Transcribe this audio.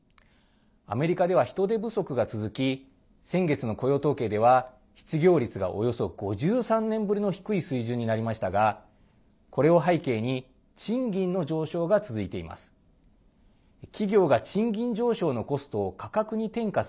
アメリカでは人手不足が続き先月の雇用統計では失業率が、およそ５３年ぶりの低い水準になりましたがこれを背景に賃金の上昇が続いています。